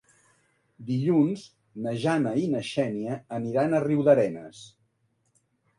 Dilluns na Jana i na Xènia aniran a Riudarenes.